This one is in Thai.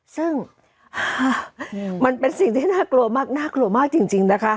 ซึ่งมันเป็นสิ่งที่น่ากลัวมากน่ากลัวมากจริงนะคะ